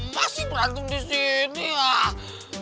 masih berantem di sini lah